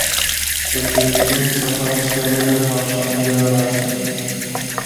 لکه یتیم سهار شړلی ماښام بیا راشم.